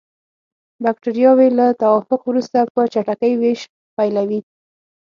بکټریاوې له توافق وروسته په چټکۍ ویش پیلوي.